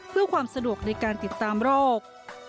เพื่อความสะดวกในการติดตามโรค